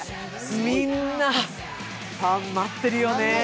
みんな、ファン、待ってるよね。